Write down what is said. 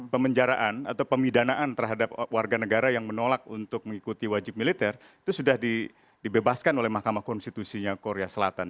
pemenjaraan atau pemidanaan terhadap warga negara yang menolak untuk mengikuti wajib militer itu sudah dibebaskan oleh mahkamah konstitusinya korea selatan